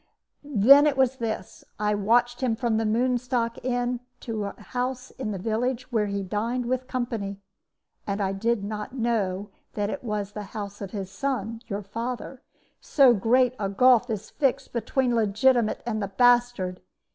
"Then it was this. I watched him from the Moonstock Inn to a house in the village, where he dined with company; and I did not even know that it was the house of his son, your father so great a gulf is fixed between the legitimate and the bastard!